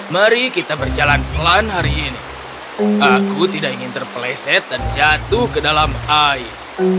mari kita berjalan pelan hari ini aku tidak ingin terpeleset dan jatuh ke dalam air